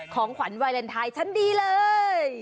ของขวัญวาเลนไทยชั้นดีเลย